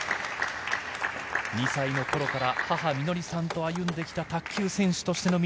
２歳のころから母・美乃りさんと歩んできた卓球選手としての道。